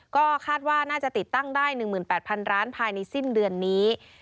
ก็คาดว่าน่าจะติดตั้งได้๑๘๐๐ล้านภายในสิ้นเดือนนี้